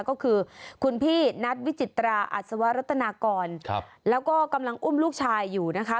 ก็คือคุณพี่นัทวิจิตราอัศวรัตนากรแล้วก็กำลังอุ้มลูกชายอยู่นะคะ